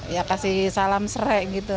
ya kasih salam serai gitu